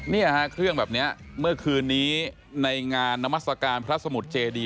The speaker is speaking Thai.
เนี่ยฮะเครื่องแบบนี้เมื่อคืนนี้ในงานนามัศกาลพระสมุทรเจดี